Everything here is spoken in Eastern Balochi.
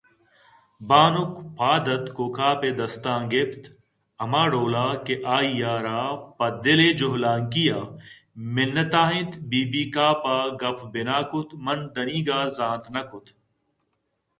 بانک پاد اتک ءُکاف ءِ دستاں گپت ہما ڈول ءَ کہ آئی ءَ راپہ دل ءِ جہلانکی ءَ منت ءَ اِنت بی بی کاف ءَ گپ بنا کُت من تنیگتہ زانت نہ کُت